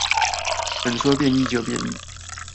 怎說變異就變異